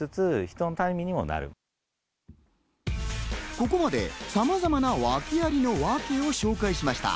ここまでさまざまな訳ありのワケを紹介しました。